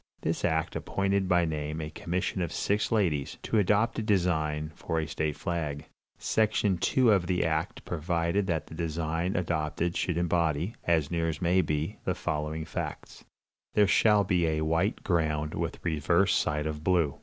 This act appointed by name a commission of six ladies, to adopt a design for a state flag. Section 2 of the act provided that the design adopted should embody, as near as may be, the following facts: "There shall be a white ground with reverse side of blue.